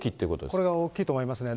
これが大きいと思いますね。